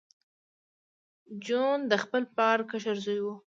جون د خپل پلار کشر زوی و